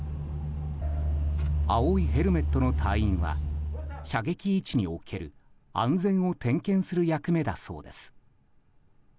青いヘルメットの隊員は射撃位置における安全を点検する役目だそうです。